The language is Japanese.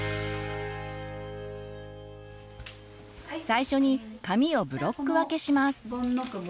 最初に髪をブロック分けします。